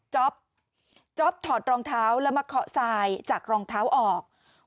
จ๊อปจ๊อปถอดรองเท้าแล้วมาเคาะทรายจากรองเท้าออก